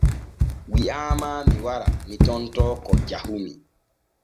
Wi’aama mi wara mi tontoo ko jahumi.